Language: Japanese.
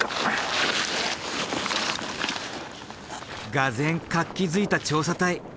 がぜん活気づいた調査隊。